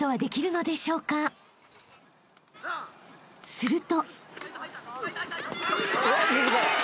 ［すると］